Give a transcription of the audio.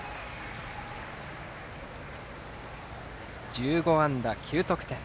１５安打９得点。